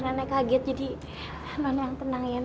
nenek kaget jadi non yang tenang ya non